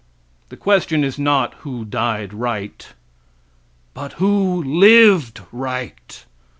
The question is not who died right, but who lived right.